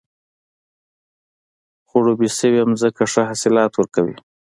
خړوبې شوې ځمکه ښه حاصلات ورکوي.